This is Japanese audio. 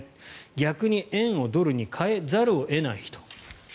逆に円をドルに替えざるを得ない人